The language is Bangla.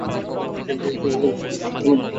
তিনি ষোল মাসের কারাদণ্ডে দণ্ডিত হন।